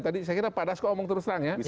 tadi saya kira pak dasko omong terus terang ya